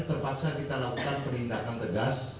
terpaksa kita lakukan penindakan tegas